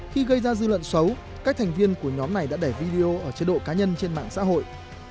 khi gây ra dư luận xấu các thành viên của nhóm này đã đẩy video ở chế độ cá nhân trên mạng xã hội